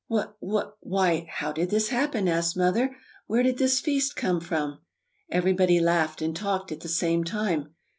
"Wh wh why! how did this happen?" asked Mother. "Where did this feast come from?" Everybody laughed and talked at the same time.